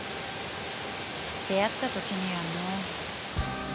出会った時にはもう。